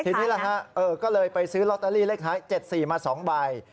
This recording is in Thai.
ทีนี้แหละก็เลยไปซื้อลอตเตอรี่เลข๔มา๒ใบ